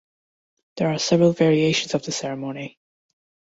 There are several variations of this ceremony.